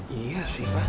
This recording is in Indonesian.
ya iya sih pak